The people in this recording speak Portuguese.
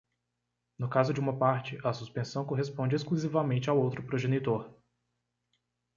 No caso de uma parte, a suspensão corresponde exclusivamente ao outro progenitor.